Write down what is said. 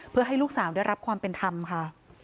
เพื่อให้ลูกสาวได้รับความเป็นธรรมค่ะ